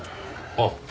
あっ。